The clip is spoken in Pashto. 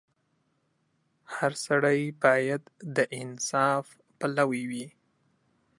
• هر سړی باید د انصاف پلوی وي.